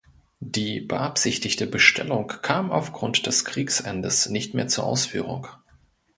Die beabsichtigte Bestellung kam aufgrund des Kriegsendes nicht mehr zur Ausführung.